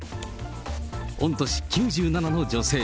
御年９７の女性。